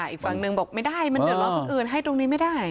อีกฝั่งหนึ่งบอกไม่ได้มันเดือดร้อนคนอื่นให้ตรงนี้ไม่ได้